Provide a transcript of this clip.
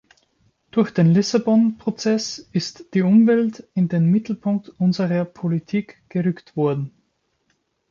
Durch den Lissabon-Prozess ist die Umwelt in den Mittelpunkt unserer Politik gerückt worden.